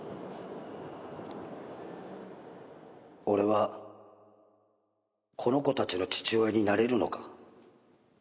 「俺はこの子たちの父親になれるのか？」